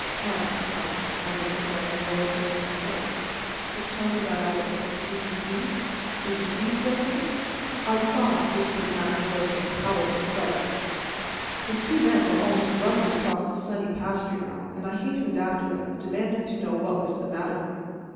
"Come, come," muttered the mayor in a low, tremulous voice, "it's time we got out of this. Did you see? Did you see, Fortin?" "I saw," whispered Max Fortin, pallid with fright. The two men were almost running across the sunny pasture now, and I hastened after them, demanding to know what was the matter.